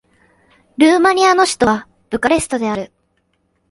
ルーマニアの首都はブカレストである